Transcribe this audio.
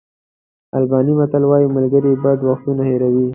آلباني متل وایي ملګري بد وختونه هېروي.